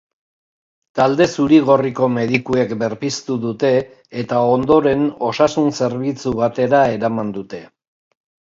Talde zuri-gorriko medikuek berpiztu dute eta ondoren osasun-zerbitzu batera eraman dute.